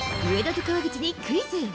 上田と川口にクイズ。